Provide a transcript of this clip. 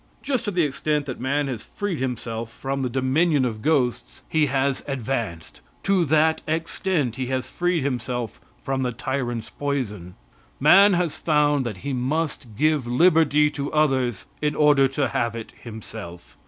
Just to the extent that man has freed himself from the dominion of ghosts he has advanced; to that extent he has freed himself from the tyrant's poison. Man has found that he must give liberty to others in order to have it himself.